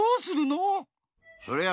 そりゃ